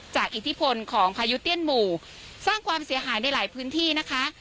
อิทธิพลของพายุเตี้ยนหมู่สร้างความเสียหายในหลายพื้นที่นะคะ